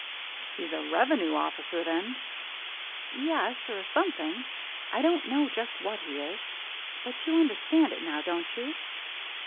" He's a revenue officer, then ?"" Yes, or something. I don't know just what he is. But you understand it now, don't you?